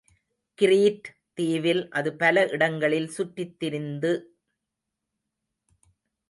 Greet தீவில் அது பல இடங்களில் சுற்றித் திரிந்து.